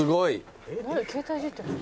携帯いじってる」